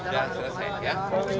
dan selesai ya